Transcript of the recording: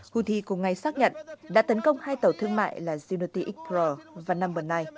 houthi cùng ngay xác nhận đã tấn công hai tàu thương mại là zunati x pro và number chín